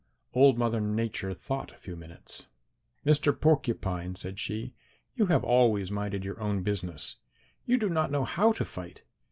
"Old Mother Nature thought a few minutes. 'Mr. Porcupine,' said she, 'you have always minded your own business. You do not know how to fight.